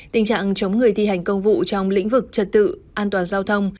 tình trạng chống người thi hành công vụ trong lĩnh vực trật tự an toàn giao thông